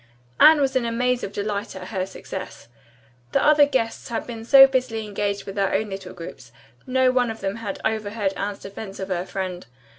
Anne was in a maze of delight at her success. The other guests had been so busily engaged with their own little groups, no one of them had overheard Anne's defense of her friend.